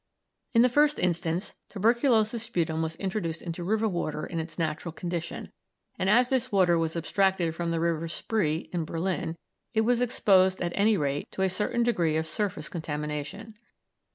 In the first instance tuberculous sputum was introduced into river water in its natural condition, and as this water was abstracted from the River Spree, in Berlin, it was exposed at any rate to a certain degree of surface contamination.